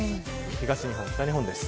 東日本、北日本です。